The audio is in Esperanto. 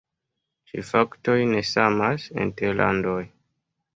Ĉi faktoj ne samas inter landoj.